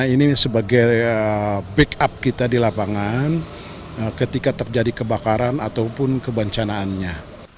ini sebagai backup kita di lapangan ketika terjadi kebakaran ataupun kebencanaannya